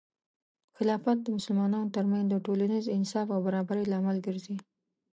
خلافت د مسلمانانو ترمنځ د ټولنیز انصاف او برابري لامل ګرځي.